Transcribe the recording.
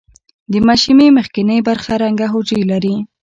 د مشیمیې مخکینۍ برخه رنګه حجرې لري.